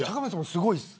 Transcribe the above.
すごいです。